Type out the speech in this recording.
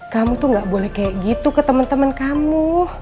kamu tuh gak boleh kayak gitu ke teman teman kamu